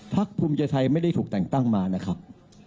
ภูมิใจไทยไม่ได้ถูกแต่งตั้งมานะครับ